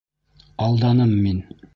Алданым мин.